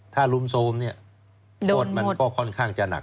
ถ้ารุมโทรมเนี่ยโทษมันก็ค่อนข้างจะหนัก